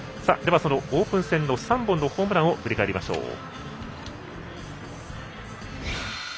では、そのオープン戦の３本のホームランを振り返りましょう。